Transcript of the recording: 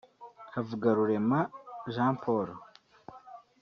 Havugarurema Jean Paul